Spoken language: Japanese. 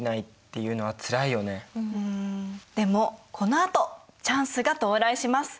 でもこのあとチャンスが到来します。